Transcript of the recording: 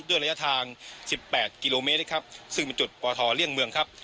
ด้วยระยะทาง๑๘กิโลเมตรนะครับซึ่งเป็นจุดปทเลี่ยงเมืองครับ